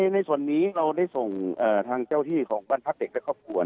ในส่วนนี้เราได้ส่งทางเจ้าที่ของบ้านพักเด็กและครอบครัว